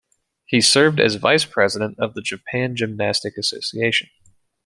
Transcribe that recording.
He served as vice president of the Japan Gymnastic Association.